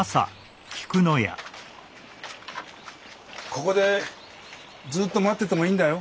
ここでずっと待っててもいいんだよ。